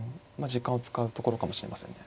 時間を使うところかもしれませんね。